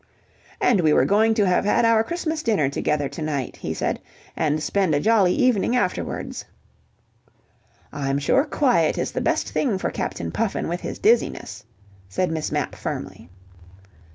"And we were going to have had our Christmas dinner together to night," he said, "and spend a jolly evening afterwards." "I'm sure quiet is the best thing for Captain Puffin with his dizziness," said Miss Mapp firmly.